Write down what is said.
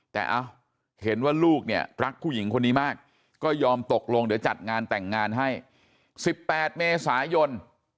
แต่เห็นว่าลูกเนี่ยรักผู้หญิงคนนี้มากก็ยอมตกลงเดี๋ยวจัดงานแต่งงานให้๑๘เมษายน